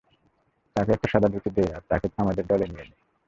তাকে একটা সাদা ধুতি দে আর তাকে আমাদের দলে নিয়ে নে।